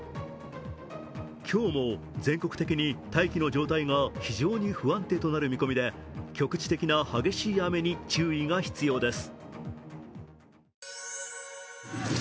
今日も全国的に大気の状態が非常に不安定となる見込みで局地的な激しい雨に注意が必要です。